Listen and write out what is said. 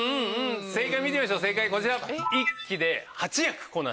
正解見てみましょうこちら。